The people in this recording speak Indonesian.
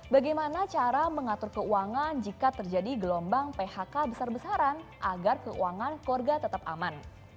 bagaimana cara mengatur keuangan jika terjadi gelombang phk besar besaran agar keuangan keluarga tetap aman